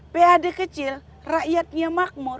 pad kecil rakyatnya makmur